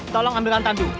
tolong ambilkan tandu